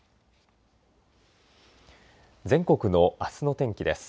全国のあすの天気です。